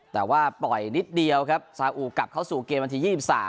แต่ว่าปล่อยนิดเดียวครับซาอุกลับเข้าสู่เกมวันที่๒๓